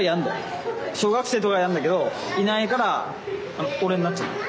小学生とかがやんだけどいないから俺になっちゃった。